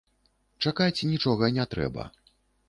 Чакаць нічога не трэба.